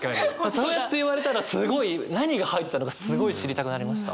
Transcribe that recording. そうやって言われたらすごい何が入ってたのかすごい知りたくなりました。